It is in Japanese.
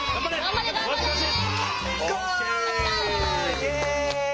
イエイ！